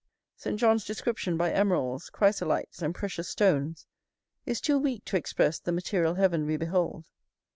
Saint John's description by emeralds, chrysolites, and precious stones, is too weak to express the material heaven we behold.